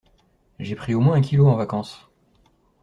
J'ai pris au moins un kilo en vacances.